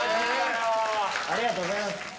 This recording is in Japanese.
ありがとうございます。